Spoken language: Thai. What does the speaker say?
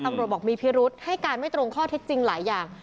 บอกมีพิรุษให้การไม่ตรงข้อเท็จจริงหลายอย่าง